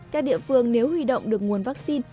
các địa phương nếu huy động được nguồn vaccine